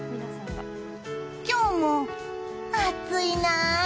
今日も、暑いな。